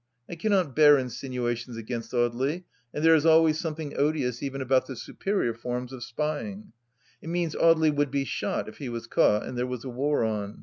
I cannot bear insinuations against Audely, and there is always something odious even about the superior forms of spying. It means Audely would be shot if he was caught, and there was a war on.